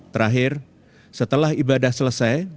terakhir setelah ibadah selesai